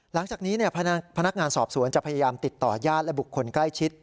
หลังจากนี้พนักงานสอบสวนจะพยายามติดต่อญาติและบุคคลใกล้ชิด